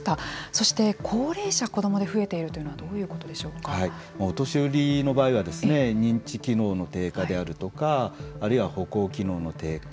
そして高齢者・子どもで増えているというのはお年寄りの場合は認知機能の低下であるとかあるいは歩行機能の低下